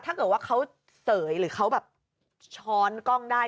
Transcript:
ถ้าเกิดว่าเขาเสยหรือเขาแบบช้อนกล้องได้